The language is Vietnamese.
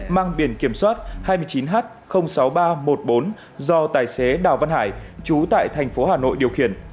mang biển kiểm soát hai mươi chín h sáu nghìn ba trăm một mươi bốn do tài xế đào văn hải chú tại thành phố hà nội điều khiển